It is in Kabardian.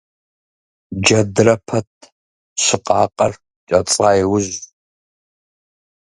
Джэдрэ пэт щыкъакъэр кӀэцӀа иужьщ.